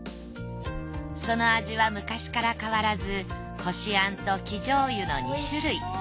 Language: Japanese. その味は昔から変わらずこし餡と生醤油の２種類。